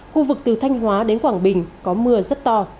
khu vực từ thanh hóa đến quảng bình có mưa rất to